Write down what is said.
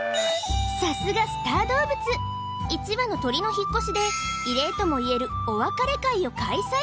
さすがスター動物１羽の鳥の引っ越しで異例ともいえるお別れ会を開催